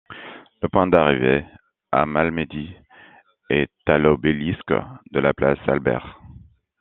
Le point d'arrivée à Malmedy est à l'Obélisque de la place Albert-.